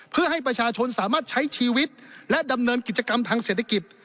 เพื่อให้ประชาชนสามารถใช้ชีวิตและดำเนินกิจกรรมทางเศรษฐกิจ